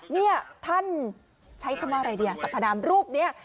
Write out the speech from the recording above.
นี่ท่านใช้คำว่าอะไรเนี่ยสรรพนามรูปนี้